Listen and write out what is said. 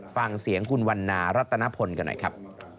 ฟังเสียงคุณวันนารัตนพลกันหน่อยครับ